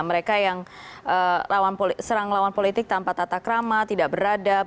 mereka yang serang lawan politik tanpa tatak rama tidak beradab